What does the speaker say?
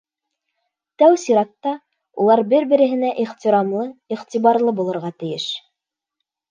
Тәү сиратта, улар бер-береһенә ихтирамлы, иғтибарлы булырға тейеш.